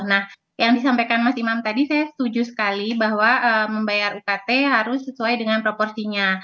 nah yang disampaikan mas imam tadi saya setuju sekali bahwa membayar ukt harus sesuai dengan proporsinya